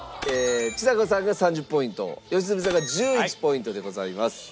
ちさ子さんが３０ポイント良純さんが１１ポイントでございます。